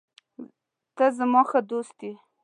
ته زما ښه دوست یې.